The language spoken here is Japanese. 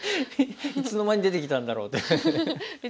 いつの間に出てきたんだろうっていう感じで。